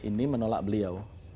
ini menolak beliau